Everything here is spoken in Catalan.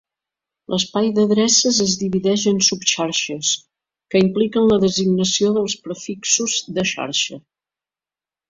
L'espai d'adreces es divideix en subxarxes, que impliquen la designació de prefixos de xarxa.